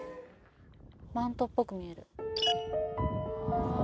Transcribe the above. マントっぽく見える。